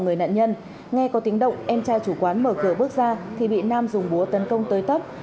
người nạn nhân nghe có tiếng động em trai chủ quán mở cửa bước ra thì bị nam dùng búa tấn công tới tấp